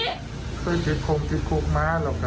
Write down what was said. คือจิตคงจิตคงมาหรอกค่ะ